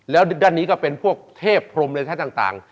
แล้วด้านนี้ก็เป็นพวกเทพพรมอะไรใช้ต่าง